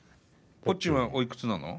ぽっちゅんはおいくつなの？